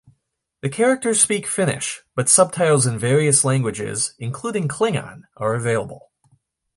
The characters speak Finnish, but subtitles in various languages, including Klingon, are available.